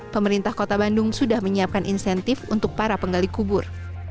pemerintah kota bandung sudah menyiapkan insentif untuk para penggali kubur